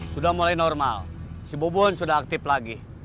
sudah mulai normal si bobon sudah aktif lagi